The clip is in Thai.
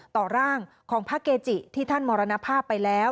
ต่อร่างของพระเกจิที่ท่านมรณภาพไปแล้ว